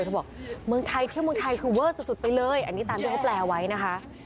เธอบอกเมืองไทยเที่ยวเมืองไทยคือเวอร์สุดไปเลยอันนี้ตามที่เขาแปลไว้นะคะ